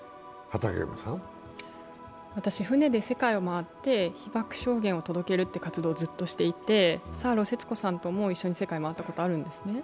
私、船で世界を回って被爆証言を届けるという活動をずっとしていてサーロー節子さんとも一緒に世界を回ったことがあるんですね。